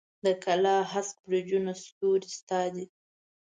د کلا د هسک برجونو ستوري ستا دي